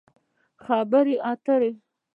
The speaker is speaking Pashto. خبرې اترې